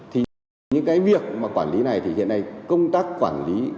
thì những cái việc mà quản lý này thì hiện nay công tác quản lý